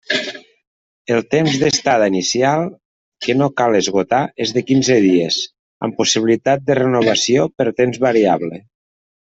El temps d'estada inicial, que no cal esgotar, és de quinze dies, amb possibilitat de renovació per temps variable.